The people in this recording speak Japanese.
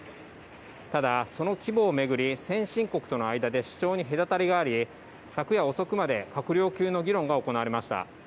ただその規模を巡り、先進国との間で主張に隔たりがあり、昨夜遅くまで閣僚級の議論が行われました。